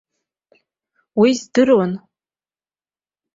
Уи здыруан.